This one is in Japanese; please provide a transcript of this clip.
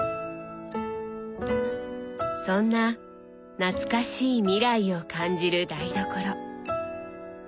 そんな「懐かしい未来」を感じる台所。